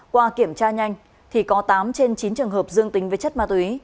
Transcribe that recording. qua kiểm tra nhanh thì có tám trên chín trường hợp dương tính với chất ma túy